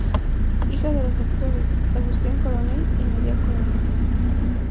Hija de los actores Agustín Coronel y María Coronel.